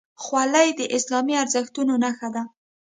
خولۍ د اسلامي ارزښتونو نښه ده.